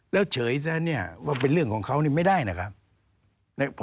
แล้วเฉยซะเนี่ยว่าเป็นเรื่องของเขานี่ไม่ได้นะครับ